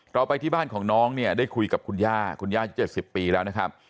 ไปที่บ้านของน้องเนี่ยได้คุยกับคุณย่าคุณย่าอายุ๗๐ปีแล้วนะครับ